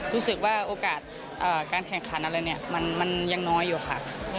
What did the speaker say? รู้สึกว่าโอกาสการแข่งขันอะไรมันยังน้อยอยู่